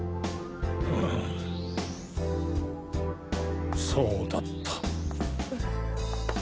ううそうだった。